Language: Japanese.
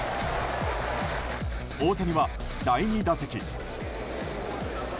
大谷は第２打席。